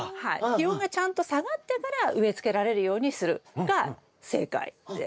「気温がちゃんと下がってから植え付けられるようにする」が正解です。